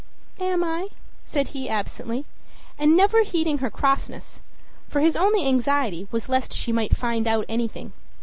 "Am I?" said he absently, and never heeding her crossness; for his only anxiety was lest she might find out anything.